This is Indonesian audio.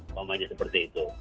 umpamanya seperti itu